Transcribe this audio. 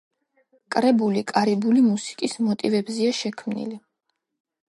კრებული კარიბული მუსიკის მოტივებზეა შექმნილი.